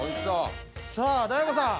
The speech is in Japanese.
さあ大悟さん。